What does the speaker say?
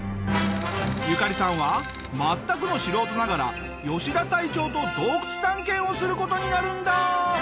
ユカリさんは全くの素人ながら吉田隊長と洞窟探検をする事になるんだ！